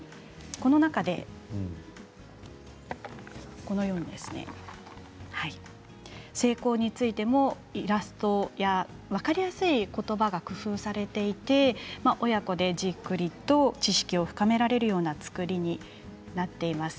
この中で、性交についてもイラストや分かりやすいことばが工夫されていて親子でじっくり知識を深められるような作りになっています。